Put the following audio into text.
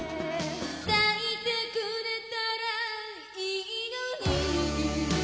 「抱いてくれたらいいのに」